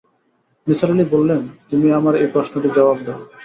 নিসার আলি বললেন, তুমি আমার এই প্রশ্নটির জবাব দাও।